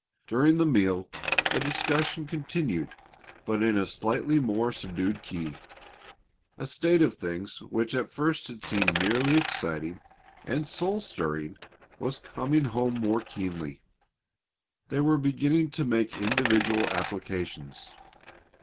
During the meal the discussion continued but in a slightly more subdued key. A state of things which at first had seemed merely exciting and soul stirring was coming home more keenly. They were beginning to make individual applications.